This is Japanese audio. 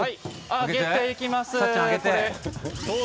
あげていきます。